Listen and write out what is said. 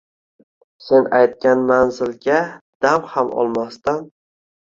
Sen aytgan manzilga dam ham olmasdan